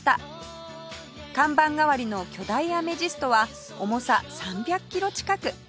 看板代わりの巨大アメジストは重さ３００キロ近く